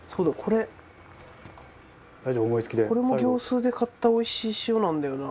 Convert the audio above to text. これも業スーで買ったおいしい塩なんだよな。